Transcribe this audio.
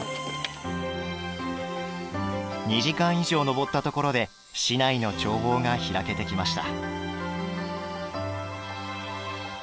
２時間以上、登ったところで市内の眺望が開けてきました。